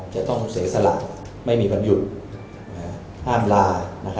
จะต้องเสียสละไม่มีวันหยุดห้ามลา